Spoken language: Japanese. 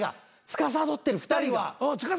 つかさどってる２人は？